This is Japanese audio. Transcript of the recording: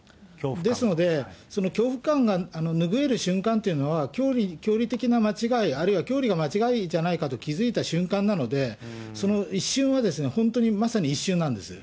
ですので、恐怖感が拭える瞬間というのは、教理的な間違い、あるいは教理が間違いじゃないかと気付いた瞬間なので、その一瞬は本当にまさに一瞬なんです。